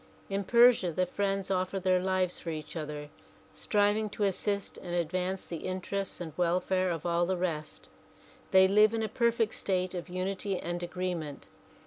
In Persia the friends offer their lives for each other, striving to assist and advance the inter ests and welfare of all the rest. They live in a perfect state of unity and agreement.